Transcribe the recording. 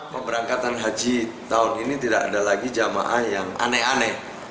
pemberangkatan haji tahun ini tidak ada lagi jamaah yang aneh aneh